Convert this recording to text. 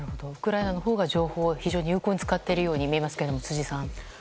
ウクライナのほうが情報を非常に有効に使っているように見えますけど辻さん。